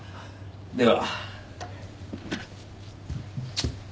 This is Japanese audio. では。